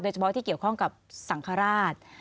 เฉพาะที่เกี่ยวข้องกับสังฆราช